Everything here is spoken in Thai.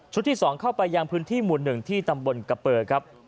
ที่๒เข้าไปยังพื้นที่หมู่๑ที่ตำบลกะเปอร์ครับ